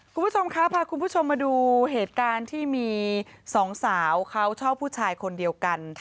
คุณผู้ชมคะพาคุณผู้ชมมาดูเหตุการณ์ที่มีสองสาวเขาชอบผู้ชายคนเดียวกัน